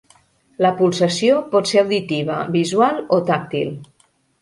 La pulsació pot ser auditiva, visual o tàctil.